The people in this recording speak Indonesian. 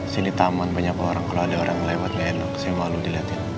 sini taman banyak orang kalau ada orang lewat nggak enak saya malu dilihatin